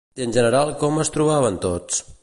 I en general com es trobaven tots?